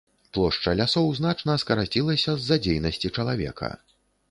Плошча лясоў значна скарацілася з-за дзейнасці чалавека.